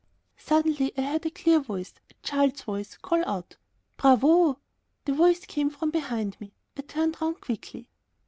Suddenly I heard a clear voice, a child's voice, call out: "Bravo." The voice came from behind me. I turned round quickly.